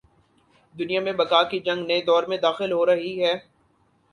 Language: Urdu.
دنیا میں بقا کی جنگ نئے دور میں داخل ہو رہی ہے۔